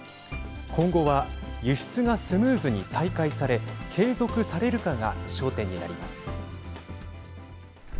今後は輸出がスムーズに再開され継続されるかが焦点になります。